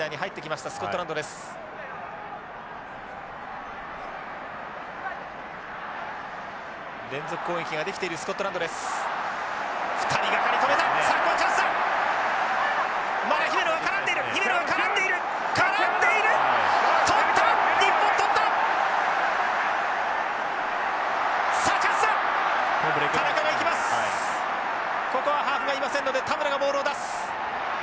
ここはハーフがいませんので田村がボールを出す。